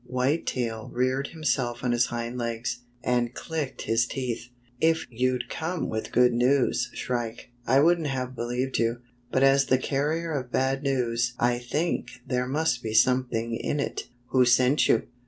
White Tail reared himself on his hind legs, and clicked his teeth. "If you'd come with good news. Shrike, I wouldn't have believed you; but as the carrier of bad news I think there must be something in it. Who sent you?"